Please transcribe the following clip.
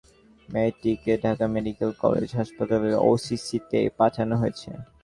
Police জানায়, চিকিৎসার জন্য মেয়েটিকে ঢাকা মেডিকেল কলেজ হাসপাতালের ওসিসিতে পাঠানো হয়েছে।